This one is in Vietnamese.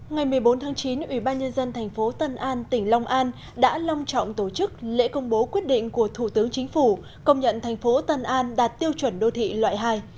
ngày một mươi bốn tháng chín ủy ban nhân dân thành phố tân an tỉnh long an đã long trọng tổ chức lễ công bố quyết định của thủ tướng chính phủ công nhận thành phố tân an đạt tiêu chuẩn đô thị loại hai